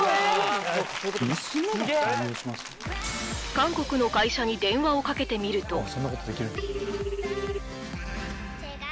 韓国の会社に電話をかけてみると☎あ！